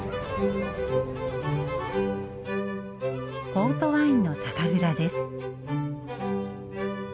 ポートワインの酒蔵です。